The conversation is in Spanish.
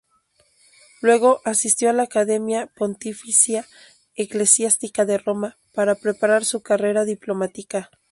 Luego asistió a la Academia Pontificia Eclesiástica de Roma, para preparar su carrera diplomática.